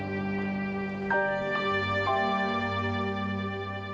saya akan harap misin pribadi saya